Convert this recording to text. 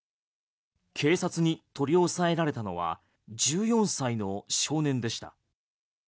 警察に取り押さえられたのは１４歳の少年でした。